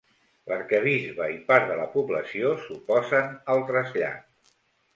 L'arquebisbe i part de la població s'oposen al trasllat.